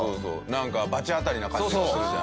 なんか罰当たりな感じがするじゃない。